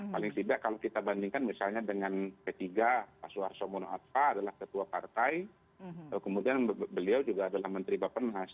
paling tidak kalau kita bandingkan misalnya dengan p tiga pak suarso mono arfa adalah ketua partai kemudian beliau juga adalah menteri bapak nas